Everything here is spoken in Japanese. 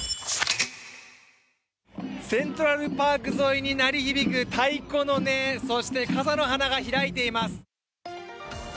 セントラルパーク沿いに鳴り響く太鼓の音、そして、傘の花が開いています。